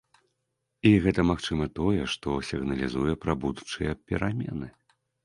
І гэта, магчыма, тое, што сігналізуе пра будучыя перамены.